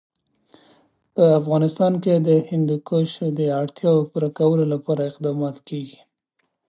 په افغانستان کې د هندوکش د اړتیاوو پوره کولو لپاره اقدامات کېږي.